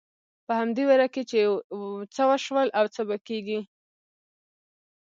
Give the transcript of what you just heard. په همدې وېره کې چې څه وشول او څه به کېږي.